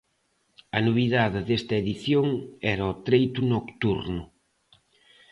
A novidade desta edición era o treito nocturno.